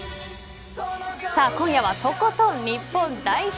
今夜はとことん日本代表